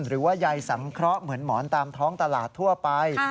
หรือว่ายายสังเคราะห์เหมือนหมอนตามท้องตลาดทั่วไป